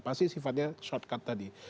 pasti sifatnya shortcut tadi